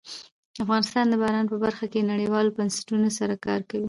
افغانستان د باران په برخه کې نړیوالو بنسټونو سره کار کوي.